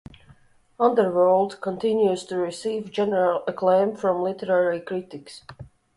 "Underworld" continues to receive general acclaim from literary critics.